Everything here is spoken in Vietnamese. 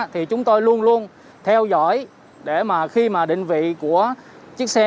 thì chúng tôi luôn luôn theo dõi để mà khi mà định vị của chiếc xe